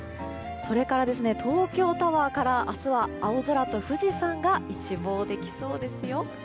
それから東京タワーから明日は青空と富士山が一望できそうですよ。